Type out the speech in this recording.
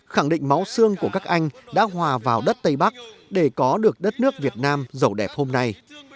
khẳng định máu xương của các anh đã hòa vào đất tây bắc để có được đất nước việt nam giàu đẹp hôm nay